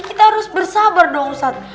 harus bersabar dong ustadz